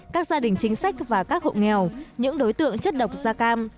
các gia đình chính sách và các hộ nghèo những đối tượng chất độc da cam